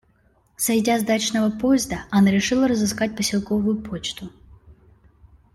Сойдя с дачного поезда, она решила разыскать поселковую почту.